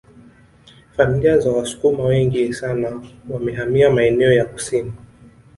Familia za Wasukuma wengi sana wamehamia maeneo ya kusini